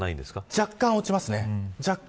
若干、落ちますね。